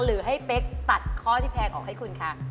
หรือให้เป๊กตัดข้อที่แพงออกให้คุณคะ